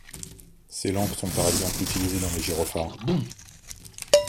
Ces lampes sont par exemple utilisée dans les gyrophares.